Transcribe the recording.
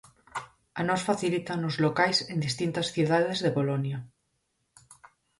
A nós facilítannos locais en distintas cidades de Polonia.